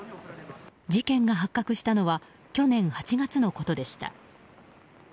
事件が発覚したのは去年８月のことでした。